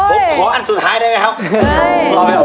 ผมขออันสุดท้ายได้ไหมครับ